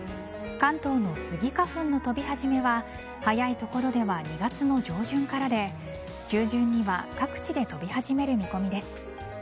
関東のスギ花粉の飛び始めは早い所では２月の上旬からで中旬には各地で飛び始める見込みです。